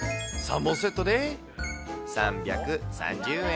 ３本セットで３３０円。